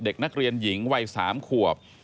เด็กนักเรียนหญิงวัย๓ขวบ